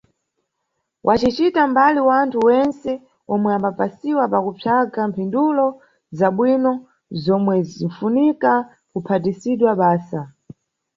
Wacicita mbali wanthu wentse omwe ambapasiwa pakupsaga mphindulo zabwino zomwe zinʼfunika kuphatisidwa basa.